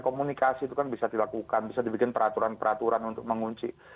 komunikasi itu kan bisa dilakukan bisa dibikin peraturan peraturan untuk mengunci